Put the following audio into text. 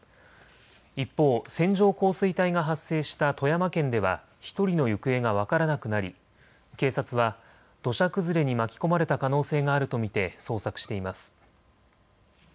一方、線状降水帯が発生した富山県では１人の行方が分からなくなり警察は土砂崩れに巻き込まれた可能性があると見て捜索しています。